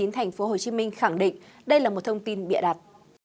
tp hcm khẳng định đây là một thông tin bịa đặt